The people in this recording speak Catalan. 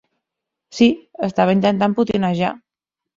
Sí, estava intentant potinejar.